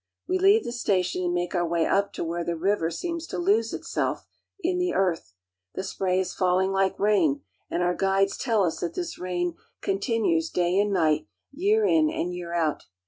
We leave the station and make our way up to where the iver seems to lose itself in the earth. The spray is falling in, and our guides tell us that this rain continues day 282 AFRICA and night, year in and year out.